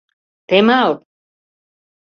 — Темал!